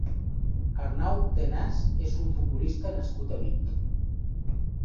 Arnau Tenas és un futbolista nascut a Vic.